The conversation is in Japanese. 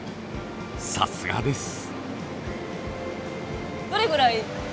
さすがです。